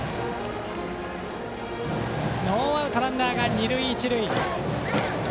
ノーアウトランナーが二塁一塁。